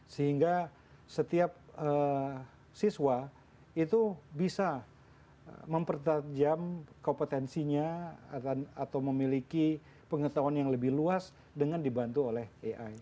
sehingga setiap siswa itu bisa mempertajam kompetensinya atau memiliki pengetahuan yang lebih luas dengan dibantu oleh ai